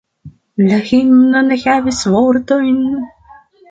La himno ne havis vortojn.